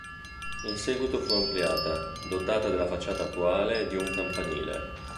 In seguito fu ampliata, dotata della facciata attuale e di un campanile.